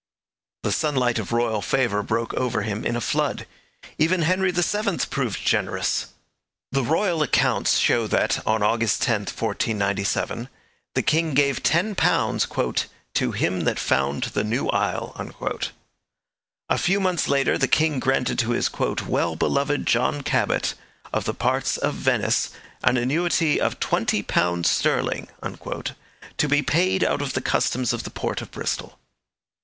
The sunlight of royal favour broke over him in a flood: even Henry VII proved generous. The royal accounts show that, on August 10, 1497, the king gave ten pounds 'to him that found the new isle.' A few months later the king granted to his 'well beloved John Cabot, of the parts of Venice, an annuity of twenty pounds sterling,' to be paid out of the customs of the port of Bristol.